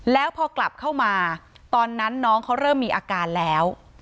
แล้วพอกลับเข้ามาตอนนั้นน้องเขาเริ่มมีอาการแล้ว